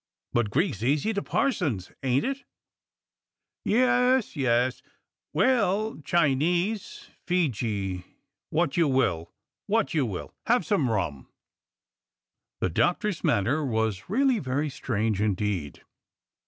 "But Greek's easy to parsons, ain't it?" "Yes, yes — well, Chinese, Fiji — what you will — what you will. Have some rum!" The Doctor's manner was really very strange indeed.